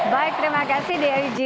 baik terima kasih dig